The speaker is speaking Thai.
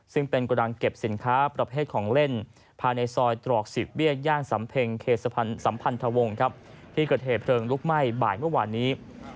ซึ่งเป็นกระดังเก็บสินค้าประเภทของเล่นภายในซอยตรอก๑๐เบี้ยย่านสำเพ็งเขตสัมพันธวงศ์ที่เกิดเหตุเพลิงลุกไหม้บ่ายเมื่อวานนี้